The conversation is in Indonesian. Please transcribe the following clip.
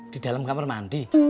di dalam kamar mandi